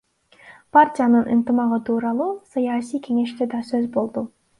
Партиянын ынтымагы тууралуу саясий кеңеште да сөз болду.